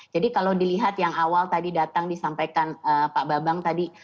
jadi kalau dilihat yang awal tadi datang disampaikan pak babang tadi